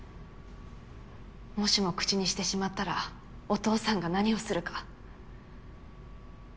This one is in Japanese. もしも口にしてしまったらお父さんが何をするか。